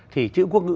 thì chữ quốc ngữ